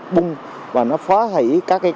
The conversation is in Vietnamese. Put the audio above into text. bung và nó phá hủy